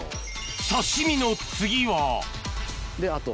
刺身の次はであと。